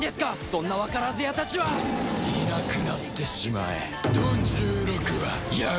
そんなわからず屋たちはいなくなってしまえ。